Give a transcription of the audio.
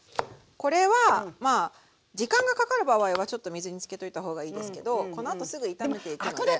これはまあ時間がかかる場合はちょっと水につけておいた方がいいですけどこのあとすぐ炒めていくので。